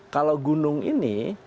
kalau gunung ini